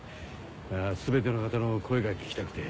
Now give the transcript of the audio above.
全ての方の声が聞きたくて。